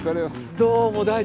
どうも大臣。